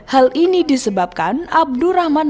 hal ini disebabkan abdurrahman